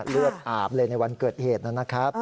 เลือดอาบเลยในวันเกิดเหตุนะครับ